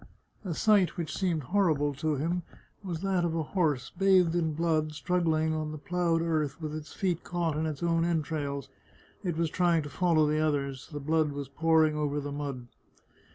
A sight which seemed horrible to him was that of a horse, bathed in blood, struggling on the ploughed 44 The Chartreuse of Parma earth, with its feet caught in its own entrails. It was trying" to follow the others. The blood was pouring over the mud.